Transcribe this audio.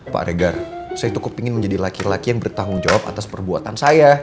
pak regar saya cukup ingin menjadi laki laki yang bertanggung jawab atas perbuatan saya